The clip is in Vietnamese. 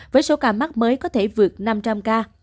với số ca mắc mới có thể vượt năm trăm linh ca